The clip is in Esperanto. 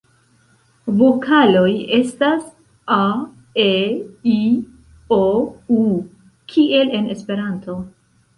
Vokaloj estas: a,e,i,o,u kiel en Esperanto.